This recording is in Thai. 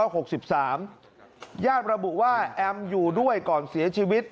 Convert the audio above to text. ระบุว่าแอมอยู่ด้วยก่อนเสียชีวิต